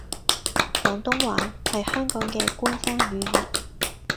廣東話係香港嘅官方語言